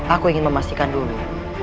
aku ingin memastikan dulu